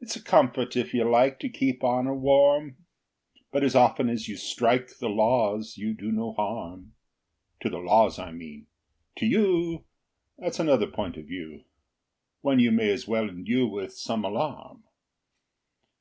It's a comfort, if you like, To keep honor warm, But as often as you strike The laws, you do no harm. To the laws, I mean. To you That's another point of view, One you may as well indue With some alarm.